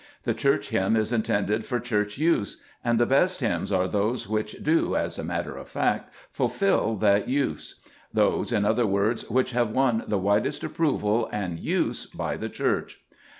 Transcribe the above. The Church hymn is intended for Church use, and the best hymns are those which do, as a matter of fact, fulfil that use ; those, in other words, which have won the widest approval and use by the Church.